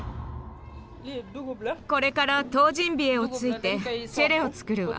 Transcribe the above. これからトウジンビエをついてチェレを作るわ。